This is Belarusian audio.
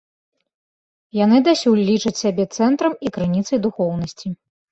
Яны дасюль лічаць сябе цэнтрам і крыніцай духоўнасці.